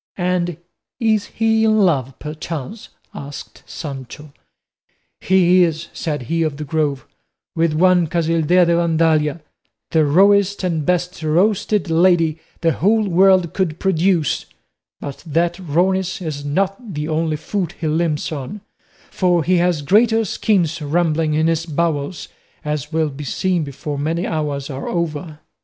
"And is he in love perchance?" asked Sancho. "He is," said of the Grove, "with one Casildea de Vandalia, the rawest and best roasted lady the whole world could produce; but that rawness is not the only foot he limps on, for he has greater schemes rumbling in his bowels, as will be seen before many hours are over."